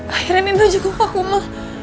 akhirnya nino jenguk aku ma